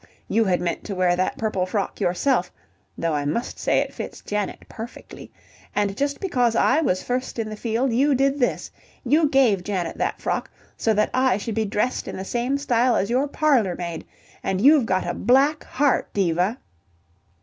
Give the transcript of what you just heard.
You had meant to wear that purple frock yourself though I must say it fits Janet perfectly and just because I was first in the field you did this. You gave Janet that frock, so that I should be dressed in the same style as your parlourmaid, and you've got a black heart, Diva!"